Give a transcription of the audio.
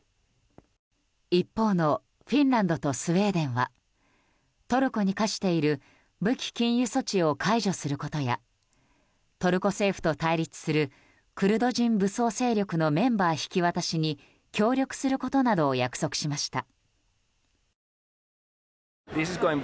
一方のフィンランドとスウェーデンはトルコに課している武器禁輸措置を解除することやトルコ政府と対立するクルド人武装勢力のメンバー引き渡しに協力することなどを約束しました。